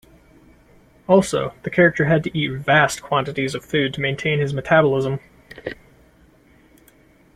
Also, the character had to eat vast quantities of food to maintain his metabolism.